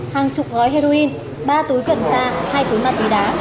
hàng chục gói heroin ba túi cẩn xa hai túi ma túy đá